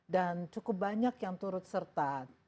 dan cukup banyak yang turut serta